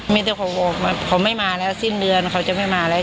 มีแต่เขาบอกเขาไม่มาแล้วสิ้นเดือนเขาจะไม่มาแล้ว